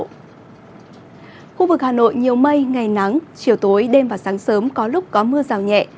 khu vực hà nội nhiều mây ngày nắng chiều tối đêm và sáng sớm có lúc có mưa rào nhẹ